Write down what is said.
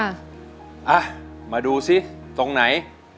อ่ะมาดูสิตรงไหน